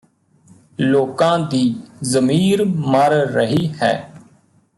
ਲੋਕਾਂ ਦੀ ਜ਼ਮੀਰ ਮਰ ਰਹੀ ਹੈ